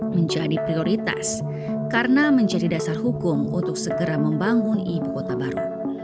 menjadi prioritas karena menjadi dasar hukum untuk segera membangun ibu kota baru